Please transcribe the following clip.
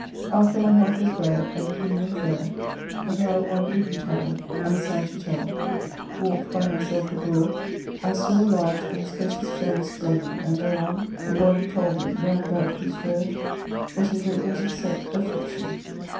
After my heart was well, And clean and fair, as I one eventide (I sigh to tell) Walk'd by myself abroad, I saw a large And spacious furnace flaming, and thereon A boiling caldron, round about whose verge Was in great letters set AFFLICTION.